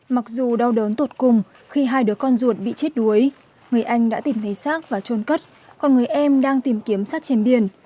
mặc dù đau đớn tột cùng khi hai đứa con ruột bị chết đuối người anh đã tìm thấy sát và trôn cất còn người em đang tìm kiếm sát chèn biển